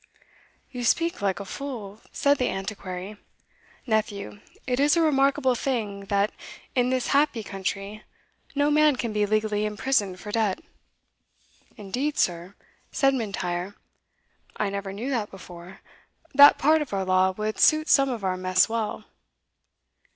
"You speak like a fool," said the Antiquary. "Nephew, it is a remarkable thing, that in this happy country no man can be legally imprisoned for debt." "Indeed, sir?" said M'Intyre; "I never knew that before that part of our law would suit some of our mess well."